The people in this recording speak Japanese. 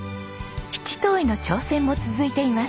七島藺の挑戦も続いています。